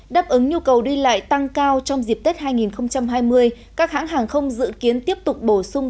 đáp ứng nhu cầu đi lại tăng cao trong dịp tết hai nghìn hai mươi các hãng hàng không dự kiến tiếp tục bổ sung